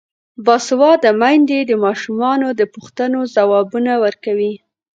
باسواده میندې د ماشومانو د پوښتنو ځوابونه ورکوي.